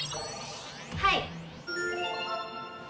はい！